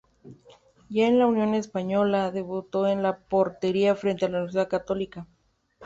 Ya en la Unión Española, debutó en la portería frente a la Universidad Católica.